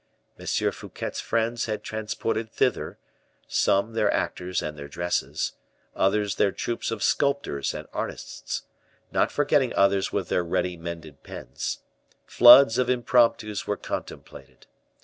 M. Fouquet's friends had transported thither, some their actors and their dresses, others their troops of sculptors and artists; not forgetting others with their ready mended pens, floods of impromptus were contemplated.